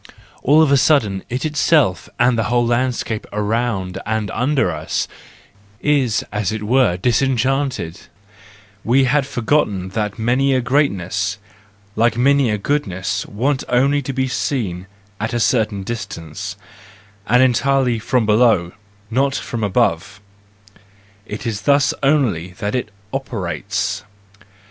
All of a sudden, it itself, and the whole landscape around and under us, is as it were disenchanted; we had forgotten that many a great¬ ness, like many a goodness, wants only to be seen at a certain distance, and entirely from below, not from above,—it is thus only that it operates